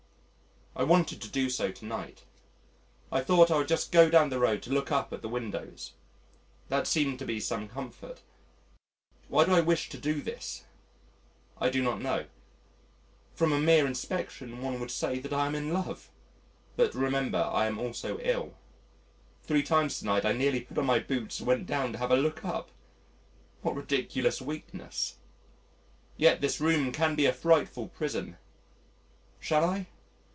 I wanted to do so to night. I thought I would just go down the road to look up at the windows. That seemed to be some comfort. Why do I wish to do this? I do not know. From a mere inspection one would say that I am in love. But remember I am also ill. Three times to night I nearly put on my boots and went down to have a look up! What ridiculous weakness! Yet this room can be a frightful prison. Shall I?